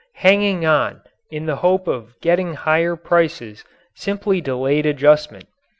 Hanging on in the hope of getting higher prices simply delayed adjustment.